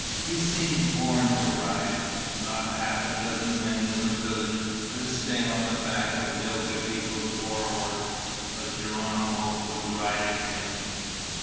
He seemed born to ride. Not half a dozen men in the village could stay on the back of Delgadito's war horse. But Geronimo was riding him.